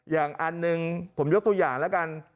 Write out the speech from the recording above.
อย่างอันหนึ่งผมยกตัวอย่างแล้วกัน